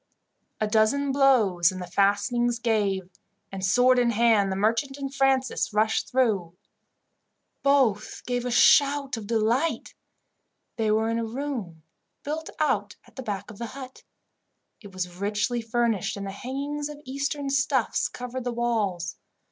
A dozen blows and the fastenings gave, and, sword in hand, the merchant and Francis rushed through. Both gave a shout of delight. They were in a room built out at the back of the hut. It was richly furnished, and hangings of Eastern stuffs covered the walls.